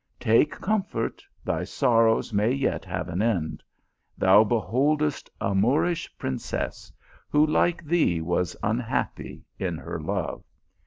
44 Take comfort, thy sorrows may yet have an end, Thou beholdest a Moorish princess, who, like thee, was unhappy in her love.